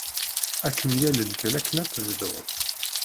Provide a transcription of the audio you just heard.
Ad kem-yalel kan akken ad tebdud.